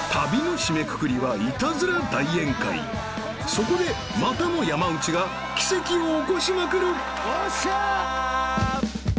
［そこでまたも山内が奇跡を起こしまくる］